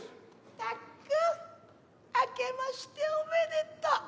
たっくん明けましておめでとう。